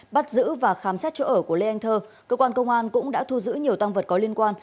bắt giữ và khám xét chỗ ở của lê anh thơ cơ quan công an cũng đã thu giữ nhiều tăng vật có liên quan